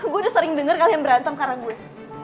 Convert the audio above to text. gue udah sering dengar kalian berantem karena gue